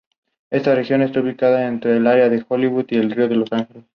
Desde allí los viajeros pueden volar a numerosos destinos.